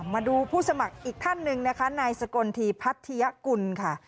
มาดูผู้สมัครอีกท่านหนึ่งนะคะนายสกลทีพัทยกุลค่ะ